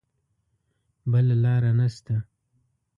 بله لاره نه شته.